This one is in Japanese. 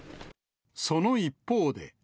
その一方で。